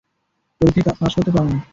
পরীক্ষায় পাস করতে পারে না।